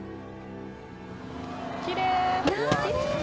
きれい！